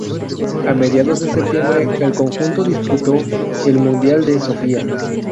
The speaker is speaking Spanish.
A mediados de septiembre el conjunto disputó el Mundial de Sofía.